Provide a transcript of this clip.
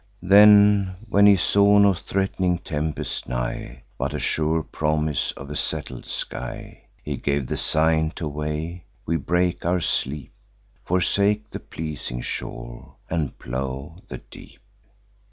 Then, when he saw no threat'ning tempest nigh, But a sure promise of a settled sky, He gave the sign to weigh; we break our sleep, Forsake the pleasing shore, and plow the deep.